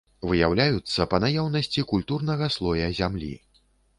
Выяўляюцца па наяўнасці культурнага слоя зямлі.